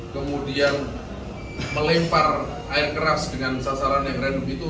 kemudian melempar air keras dengan sasaran yang rendah